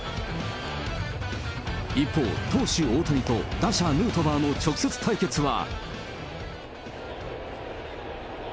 一方、投手大谷と打者ヌートバーの直接対決は。